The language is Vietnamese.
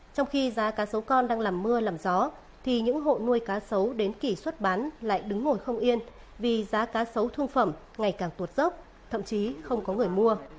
trong khi giá cá sấu con đang làm mưa làm gió thì những hộ nuôi cá sấu đến kỷ xuất bán lại đứng ngồi không yên vì giá cá sấu thương phẩm ngày càng tuột dốc thậm chí không có người mua